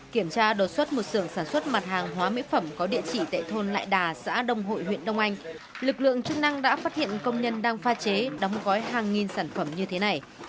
kiểm tra đột xuất một sưởng sản xuất mặt hàng hóa mỹ phẩm có địa chỉ tại thôn lại đà xã đông hội huyện đông anh lực lượng chức năng đã phát hiện công nhân đang pha chế đóng gói hàng nghìn sản phẩm như thế này